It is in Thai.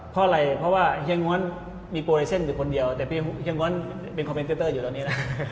เพราะอะไรเพราะว่าเฮียง้วนมีโปรไลเซ็นต์อยู่คนเดียวแต่เฮียง้วนเป็นคอมเมนเตอร์อยู่ตอนนี้นะ